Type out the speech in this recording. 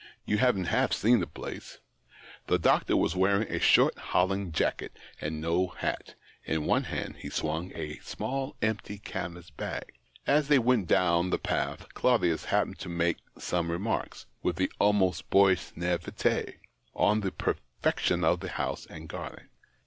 " You haven't half seen the place yet." The doctor was wearing a short holland jacket and no hat ; in one hand he swung a small empty canvas bag. As they went down the paths Claudius happened to make some remarks, with almost boyish naivete, on the perfection of the house and garden.